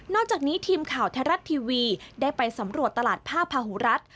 อกจากนี้ทีมข่าวไทยรัฐทีวีได้ไปสำรวจตลาดผ้าพาหูรัฐ